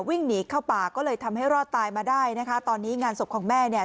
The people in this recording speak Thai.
วิ่งหนีเข้าป่าก็เลยทำให้รอดตายมาได้นะคะตอนนี้งานศพของแม่เนี่ย